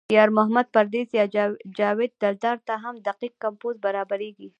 یار محمد پردیس یا جاوید دلدار ته هم دقیق کمپوز برابرېږي.